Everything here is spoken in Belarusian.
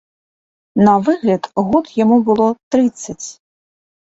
На выгляд год яму было трыццаць.